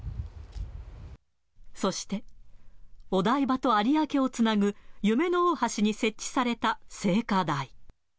そして、お台場と有明をつなぐ夢の大橋に設置された聖火台。